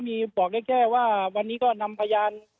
มีบอกได้แค่ว่าวันนี้ก็นำพยาน